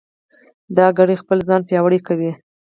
دا کړۍ خپله ځان پیاوړې کوي.